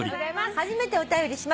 初めてお便りします」